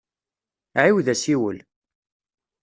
Ɛiwed asiwel.